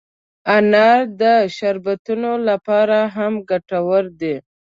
انار د شربتونو لپاره هم ګټور دی.